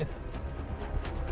jangan dijawab dulu